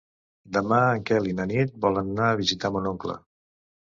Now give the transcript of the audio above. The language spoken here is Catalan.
Demà en Quel i na Nit volen anar a visitar mon oncle.